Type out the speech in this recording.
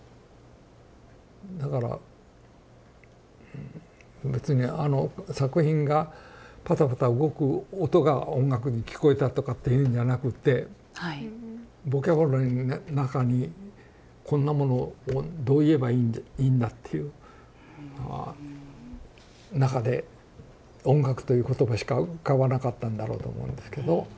だから別にあの作品がパタパタ動く音が音楽に聞こえたとかっていうんじゃなくてボキャブラリーに中にこんなものをどう言えばいいんだっていう中で音楽という言葉しか浮かばなかったんだろうと思うんですけど。